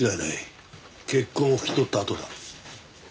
血痕を拭き取った跡だ。